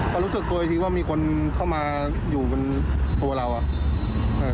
ผมรู้สึกโดยทีว่ามีคนเข้ามาอยู่ตัวเรากัน